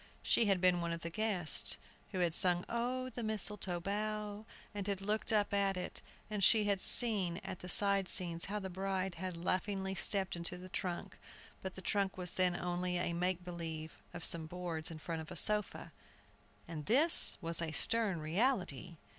She had been one of the "guests," who had sung "Oh, the Mistletoe Bough," and had looked up at it, and she had seen at the side scenes how the bride had laughingly stepped into the trunk. But the trunk then was only a make believe of some boards in front of a sofa, and this was a stern reality.